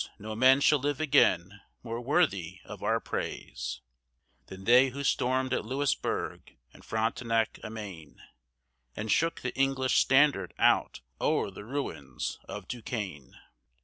no men shall live again more worthy of our praise, Than they who stormed at Louisburg and Frontenac amain, And shook the English standard out o'er the ruins of Duquesne.